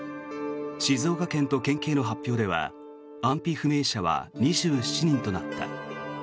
静岡県と県警の発表では安否不明者は２７人となった。